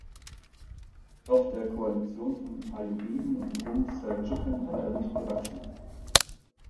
Doch der Koalition von Ayyubiden und Rum-Seldschuken war er nicht gewachsen.